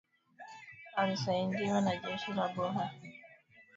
Alisaidiwa na jeshi la buha kuwashinda wanyoro walipovamia karagwe